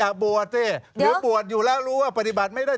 มันก็อย่าบวชสิจะบวชอยู่แล้วรู้ว่าปฏิบัติไม่ได้